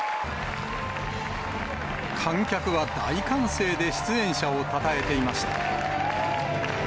観客は大歓声で出演者をたたえていました。